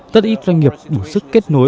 tất ít doanh nghiệp bổ sức kết nối